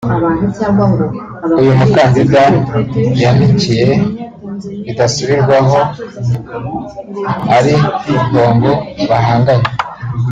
uyu mukandida yanikiye bidasubirwahop Ali Bongo bahanganye